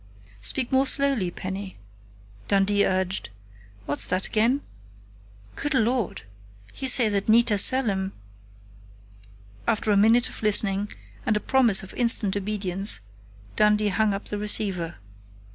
"Speak more slowly, Penny!" Dundee urged. "What's that again.... Good Lord! You say that Nita Selim...." After a minute of listening, and a promise of instant obedience, Dundee hung up the receiver.